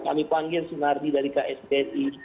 kami panggil sunardi dari ksbsi